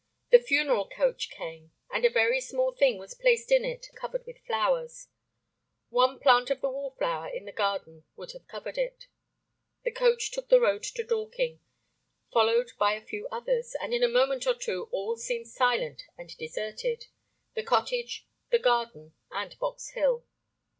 The funeral coach came, and a very small thing was placed in it and covered with flowers. One plant of the wallflower in the garden would have covered it. The coach took the road to Dorking, followed by a few others, and in a moment or two all seemed silent and deserted, the cottage, the garden, and Box Hill.